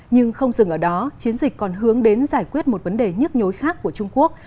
nhưng không dừng ở đó chiến dịch còn hướng đến giải quyết một vấn đề nhức nhối khác của trung quốc